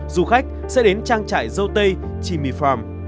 du khách sẽ đến trang trại dâu tây chimi farm